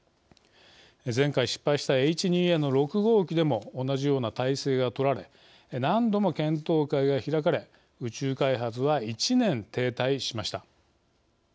前回失敗したＨ２Ａの６号機でも同じような態勢が取られ何度も検討会が開かれ宇宙開発は１年停滞しました。